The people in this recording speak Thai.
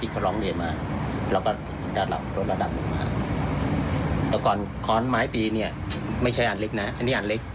แต่ก่อนค้อนไม้ตีเนี่ยไม่ใช่อันเล็กนะอันนี้อันเล็ก